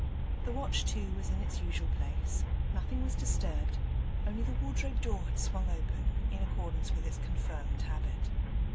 The watch, too, was in its usual place; nothing was disturbed, only the wardrobe door had swung open, in accordance with its confirmed habit.